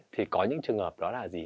thì có những trường hợp đó là gì